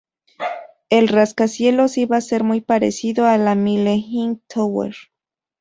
El rascacielos iba a ser muy parecido a la Mile-High Tower.